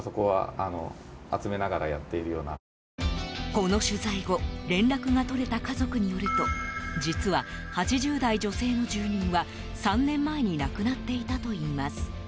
この取材後連絡が取れた家族によると実は８０代女性の住人は３年前に亡くなっていたといいます。